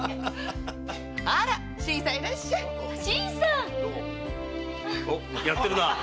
あら新さんいらっしゃい！おっやってるなあ！